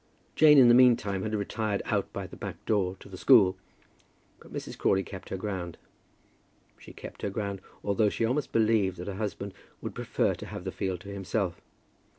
Jane in the meantime had retired out by the back door to the school, but Mrs. Crawley kept her ground. She kept her ground although she almost believed that her husband would prefer to have the field to himself.